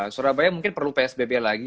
surabaya mungkin perlu psbb lagi